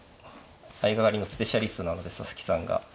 相掛かりのスペシャリストなので佐々木さんが。